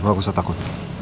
udah gak usah takut